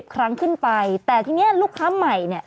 ครั้งขึ้นไปแต่ทีนี้ลูกค้าใหม่เนี่ย